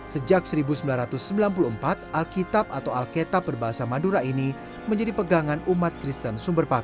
sejak seribu sembilan ratus sembilan puluh empat alkitab atau alkitab berbahasa madura ini menjadi pegangan umat kristen sumber paku